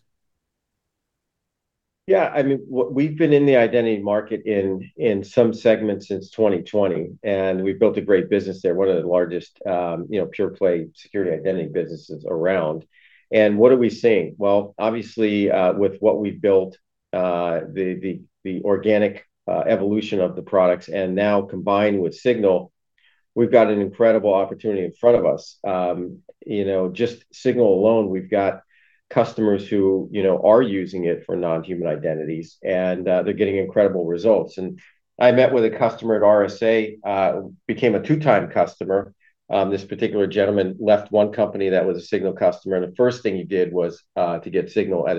Yeah. We've been in the identity market in some segments since 2020, and we've built a great business there, one of the largest pure play security identity businesses around. What are we seeing? Well, obviously, with what we've built, the organic evolution of the products, and now combined with SGNL, we've got an incredible opportunity in front of us. Just SGNL alone, we've got customers who are using it for non-human identities, and they're getting incredible results. I met with a customer at RSAC, became a two-time customer. This particular gentleman left one company that was a SGNL customer, and the first thing he did was to get SGNL at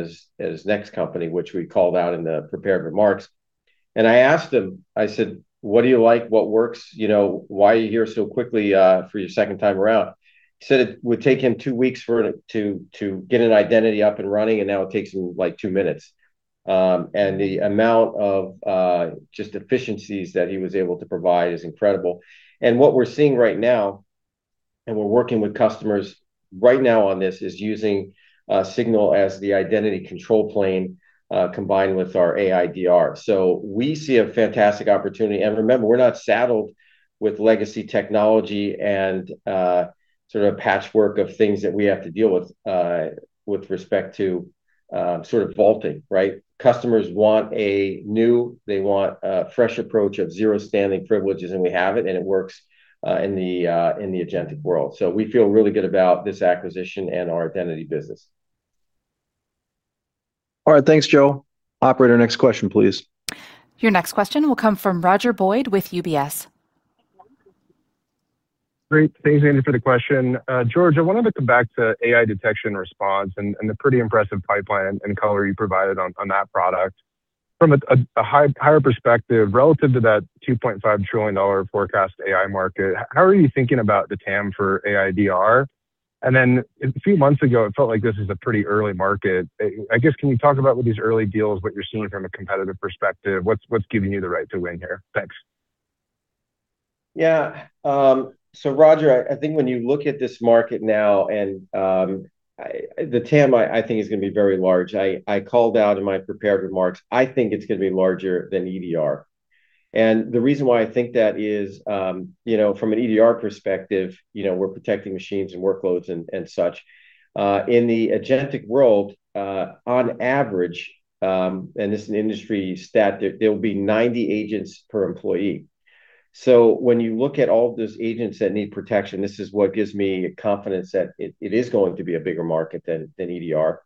his next company, which we called out in the prepared remarks. I asked him, I said, "What do you like? What works? Why are you here so quickly for your second time around?" He said it would take him two weeks to get an identity up and running, and now it takes him two minutes. The amount of just efficiencies that he was able to provide is incredible. What we're seeing right now, we're working with customers right now on this, is using SGNL as the identity control plane, combined with our AI DR. We see a fantastic opportunity. Remember, we're not saddled with legacy technology and sort of patchwork of things that we have to deal with with respect to sort of vaulting, right? Customers want a new, they want a fresh approach of zero standing privileges, and we have it, and it works in the agentic world. We feel really good about this acquisition and our identity business. All right. Thanks, Joseph. Operator, next question, please. Your next question will come from Roger Boyd with UBS. Great. Thanks, Andy, for the question. George, I wanted to come back to AI detection response and the pretty impressive pipeline and color you provided on that product. From a higher perspective, relative to that $2.5 trillion forecast AI market, how are you thinking about the TAM for AI DR? A few months ago, it felt like this was a pretty early market. I guess, can you talk about, with these early deals, what you're seeing from a competitive perspective? What's giving you the right to win here? Thanks. Roger, I think when you look at this market now, and the TAM, I think, is going to be very large. I called out in my prepared remarks, I think it's going to be larger than EDR. The reason why I think that is, from an EDR perspective, we're protecting machines and workloads and such. In the agentic world, on average, and this is an industry stat, there'll be 90 agents per employee. When you look at all of those agents that need protection, this is what gives me confidence that it is going to be a bigger market than EDR.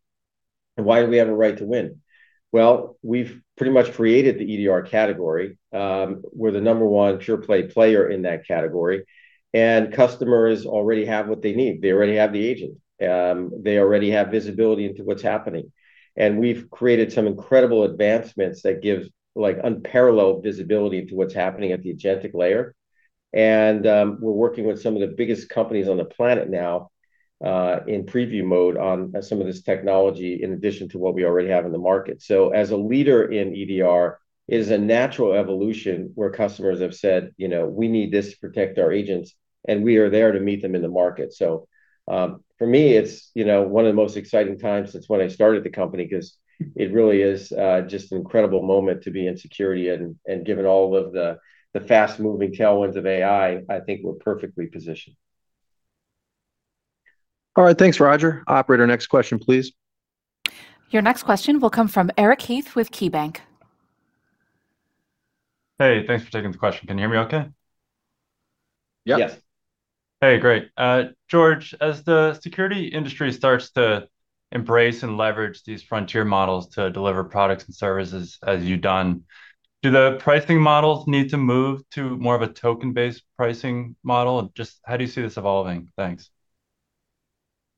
Why do we have a right to win? We've pretty much created the EDR category. We're the number one sure-play player in that category, and customers already have what they need. They already have the agent. They already have visibility into what's happening. We've created some incredible advancements that give unparalleled visibility to what's happening at the agentic layer. We're working with some of the biggest companies on the planet now, in preview mode on some of this technology, in addition to what we already have in the market. As a leader in EDR, it is a natural evolution where customers have said, "We need this to protect our agents," and we are there to meet them in the market. For me, it's one of the most exciting times since when I started the company, because it really is just an incredible moment to be in security. Given all of the fast-moving tailwinds of AI, I think we're perfectly positioned. All right. Thanks, Roger. Operator, next question, please. Your next question will come from Eric Heath with KeyBanc. Hey, thanks for taking the question. Can you hear me okay? Yep. Yes. Hey, great. George, as the security industry starts to embrace and leverage these frontier models to deliver products and services, as you've done, do the pricing models need to move to more of a token-based pricing model? Just how do you see this evolving? Thanks.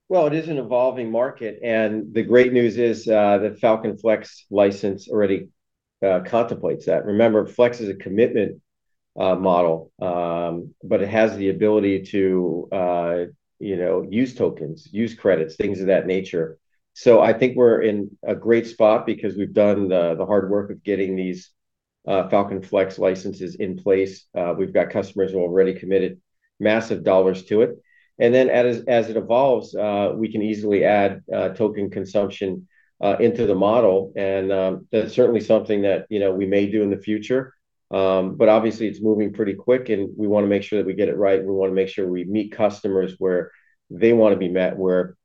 Well, it is an evolving market, and the great news is that Falcon Flex license already contemplates that. Remember, Flex is a commitment model, but it has the ability to use tokens, use credits, things of that nature. I think we're in a great spot because we've done the hard work of getting these Falcon Flex licenses in place. We've got customers who already committed massive dollars to it. As it evolves, we can easily add token consumption into the model, and that's certainly something that we may do in the future. Obviously, it's moving pretty quick, and we want to make sure that we get it right, and we want to make sure we meet customers where they want to be met, where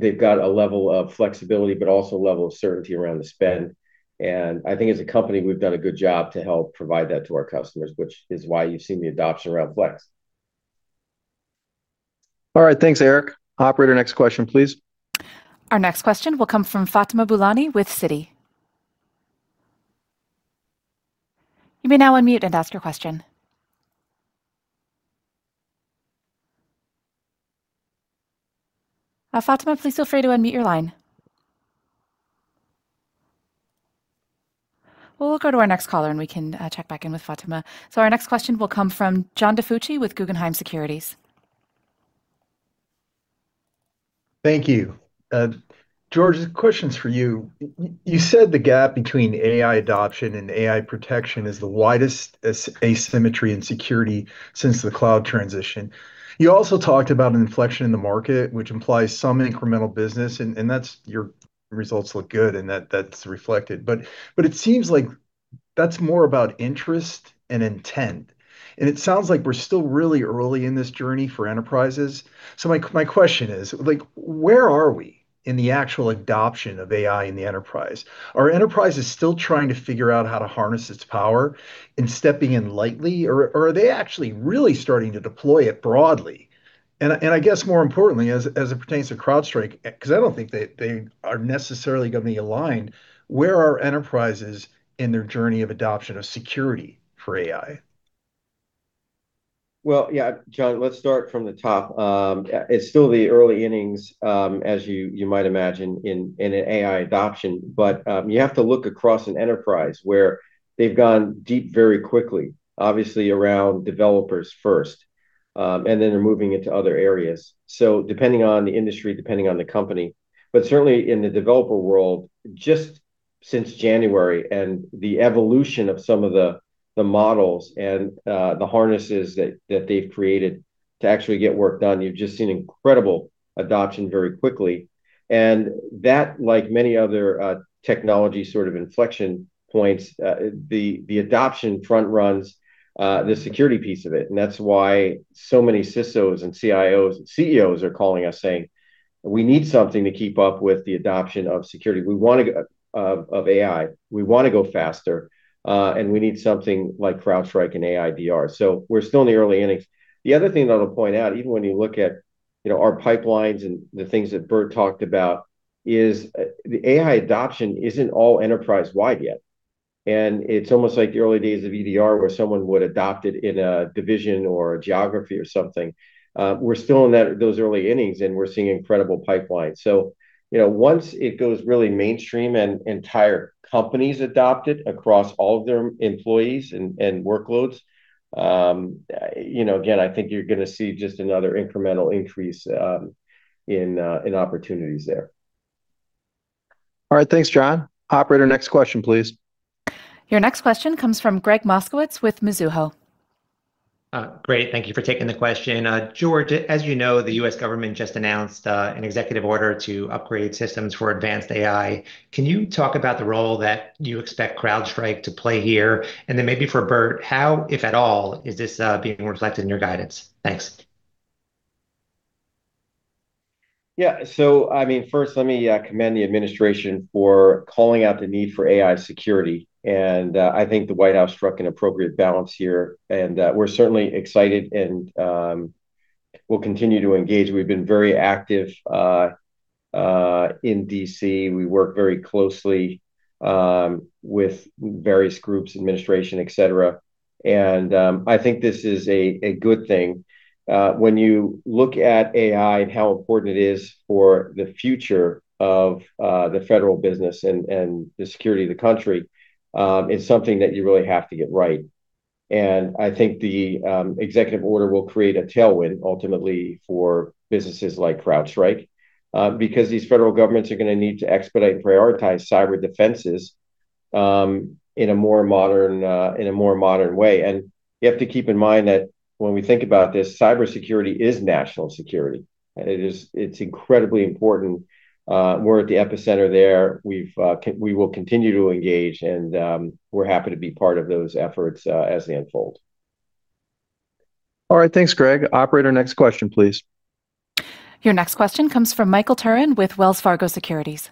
they've got a level of flexibility, but also a level of certainty around the spend. I think as a company, we've done a good job to help provide that to our customers, which is why you've seen the adoption around Flex. All right. Thanks, Eric. Operator, next question, please. Our next question will come from Fatima Boolani with Citi. You may now unmute and ask your question. Fatima, please feel free to unmute your line. Well, we'll go to our next caller, and we can check back in with Fatima. Our next question will come from John DiFucci with Guggenheim Securities. Thank you. George, the question's for you. You said the gap between AI adoption and AI protection is the widest asymmetry in security since the cloud transition. You also talked about an inflection in the market, which implies some incremental business, your results look good and that's reflected. It seems like that's more about interest and intent. It sounds like we're still really early in this journey for enterprises. My question is, where are we in the actual adoption of AI in the enterprise? Are enterprises still trying to figure out how to harness its power and stepping in lightly, or are they actually really starting to deploy it broadly? I guess more importantly, as it pertains to CrowdStrike, because I don't think they are necessarily going to be aligned, where are enterprises in their journey of adoption of security for AI? Well, yeah. John, let's start from the top. It's still the early innings, as you might imagine, in AI adoption. You have to look across an enterprise where they've gone deep very quickly, obviously around developers first, and then they're moving into other areas, depending on the industry, depending on the company. Certainly in the developer world, just since January, and the evolution of some of the models and the harnesses that they've created to actually get work done, you've just seen incredible adoption very quickly. That, like many other technology sort of inflection points, the adoption front runs the security piece of it. That's why so many CISOs, CIOs, and CEOs are calling us saying, "We need something to keep up with the adoption of AI. We want to go faster, we need something like CrowdStrike and AI DR. We're still in the early innings. The other thing that I'll point out, even when you look at our pipelines and the things that Burt talked about, is the AI adoption isn't all enterprise-wide yet, and it's almost like the early days of EDR where someone would adopt it in a division or a geography or something. We're still in those early innings, and we're seeing incredible pipelines. Once it goes really mainstream and entire company's adopted across all of their employees and workloads, again, I think you're going to see just another incremental increase in opportunities there. All right. Thanks, John. Operator, next question please. Your next question comes from Gregg Moskowitz with Mizuho. Great. Thank you for taking the question. George, as you know, the U.S. government just announced an Executive Order to upgrade systems for advanced AI. Can you talk about the role that you expect CrowdStrike to play here? Then maybe for Burt, how, if at all, is this being reflected in your guidance? Thanks. First let me commend the administration for calling out the need for AI security, and I think the White House struck an appropriate balance here, and we're certainly excited and we'll continue to engage. We've been very active in D.C. We work very closely with various groups, administration, et cetera, and I think this is a good thing. When you look at AI and how important it is for the future of the federal business and the security of the country, it's something that you really have to get right. I think the executive order will create a tailwind ultimately for businesses like CrowdStrike, because these federal governments are going to need to expedite and prioritize cyber defenses in a more modern way. You have to keep in mind that when we think about this, cybersecurity is national security. It's incredibly important. We're at the epicenter there. We will continue to engage, and we're happy to be part of those efforts as they unfold. All right, thanks Gregg. Operator, next question please. Your next question comes from Michael Turrin with Wells Fargo Securities.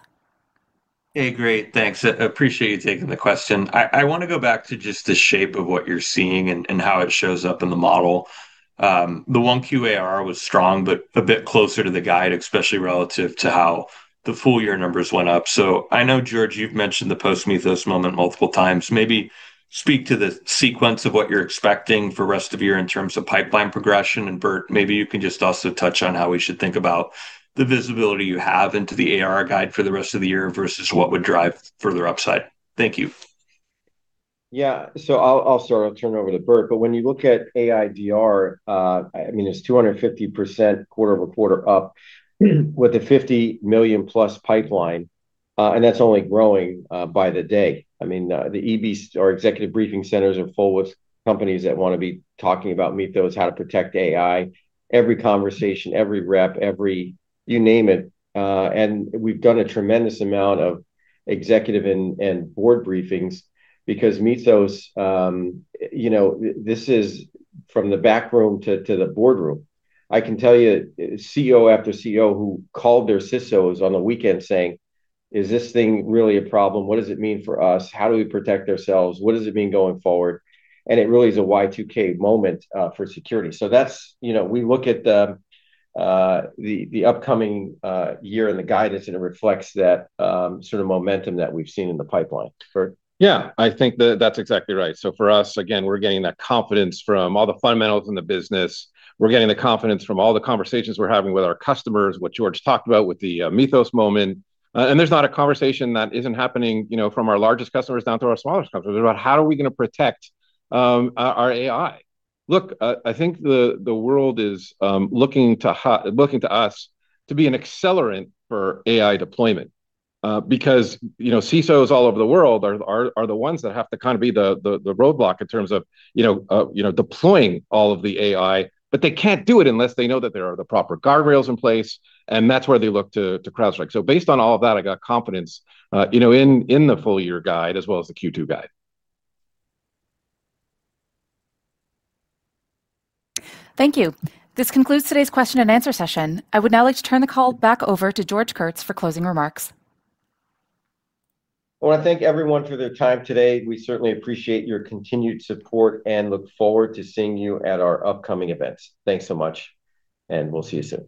Hey, great, thanks. I appreciate you taking the question. I want to go back to just the shape of what you're seeing and how it shows up in the model. The 1Q ARR was strong, a bit closer to the guide, especially relative to how the full year numbers went up. I know, George, you've mentioned the post-Mythos moment multiple times. Maybe speak to the sequence of what you're expecting for rest of year in terms of pipeline progression. Burt, maybe you can just also touch on how we should think about the visibility you have into the ARR guide for the rest of the year versus what would drive further upside. Thank you. I'll start, I'll turn it over to Burt, but when you look at AI DR, it's 250% quarter-over-quarter up with a $50 million plus pipeline, and that's only growing by the day. Our executive briefing centers are full with companies that want to be talking about Mythos, how to protect AI. Every conversation, every rep, every you name it, we've done a tremendous amount of executive and board briefings because Mythos, this is from the back room to the boardroom. I can tell you CEO after CEO who called their CISOs on the weekend saying, "Is this thing really a problem? What does it mean for us? How do we protect ourselves? What does it mean going forward?" It really is a Y2K moment for security. We look at the upcoming year and the guidance, and it reflects that sort of momentum that we've seen in the pipeline. Burt? Yeah, I think that's exactly right. For us, again, we're getting that confidence from all the fundamentals in the business. We're getting the confidence from all the conversations we're having with our customers, what George talked about with the Mythos moment. There's not a conversation that isn't happening from our largest customers down to our smallest customers about how are we going to protect our AI. Look, I think the world is looking to us to be an accelerant for AI deployment, because CISOs all over the world are the ones that have to be the roadblock in terms of deploying all of the AI. They can't do it unless they know that there are the proper guardrails in place, and that's where they look to CrowdStrike. Based on all of that, I got confidence in the full year guide as well as the Q2 guide. Thank you. This concludes today's question and answer session. I would now like to turn the call back over to George Kurtz for closing remarks. I want to thank everyone for their time today. We certainly appreciate your continued support and look forward to seeing you at our upcoming events. Thanks so much. We'll see you soon.